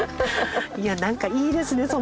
いやなんかいいですね